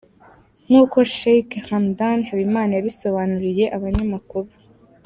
nk’uko Sheikh Hamdan Habimana yabisobanuriye abanyamakuru.